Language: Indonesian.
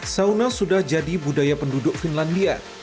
sauna sudah jadi budaya penduduk finlandia